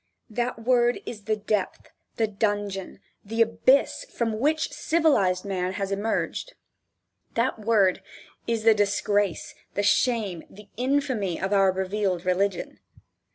That word is the depth, the dungeon, the abyss, from which civilized man has emerged. That word is the disgrace, the shame, the infamy, of our revealed religion.